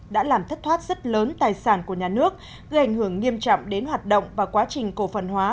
đã làm thất thoát rất lớn tài sản của nhà nước gây ảnh hưởng nghiêm trọng đến hoạt động và quá trình cổ phần hóa